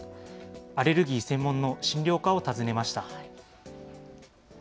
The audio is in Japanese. アレルギー専門の診療科を訪ねました。